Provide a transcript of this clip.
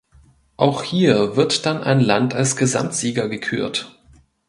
Auch hier wird dann ein Land als Gesamtsieger gekürt.